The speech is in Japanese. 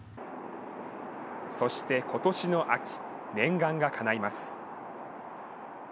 そしてことしの秋、念願がかないます。